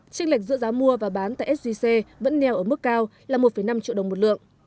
tranh lệch giữa giá mua và bán tại sgc vẫn neo ở mức cao là một năm triệu đồng một lượng